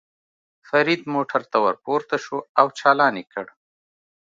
فرید موټر ته ور پورته شو او چالان یې کړ.